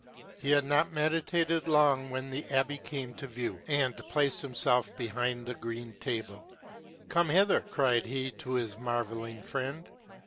He had not meditated long when the abb6 came to view, and placed himself behind the green table. " Come hither !" cried he to his marvelling friend.